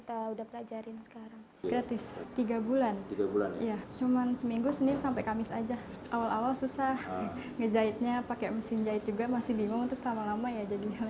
awal awal susah ngejahitnya pake mesin jahit juga masih bingung terus lama lama ya jadi lancar